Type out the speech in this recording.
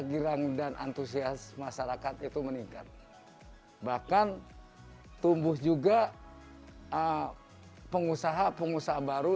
girang dan antusias masyarakat itu meningkat bahkan tumbuh juga pengusaha pengusaha baru